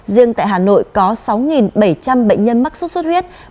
riêng tại hà nội có sáu bảy trăm linh bệnh nhân mắc sốt xuất huyết